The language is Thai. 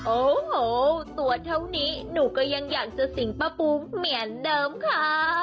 โอ้โหตัวเท่านี้หนูก็ยังอยากจะสิงป้าปูเหมือนเดิมค่ะ